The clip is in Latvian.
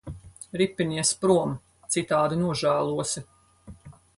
Ripinies prom, citādi nožēlosi.